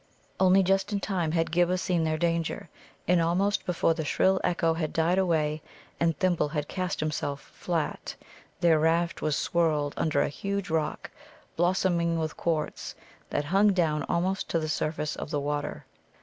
Only just in time had Ghibba seen their danger, and almost before the shrill echo had died away, and Thimble had cast himself flat, their raft was swirled under a huge rock, blossoming with quartz, that hung down almost to the surface of the water.